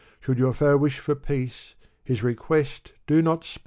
Should your ft)e wish for peace, his request do not spurn!